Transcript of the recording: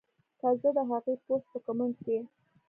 کۀ زۀ د هغې پوسټ پۀ کمنټ کښې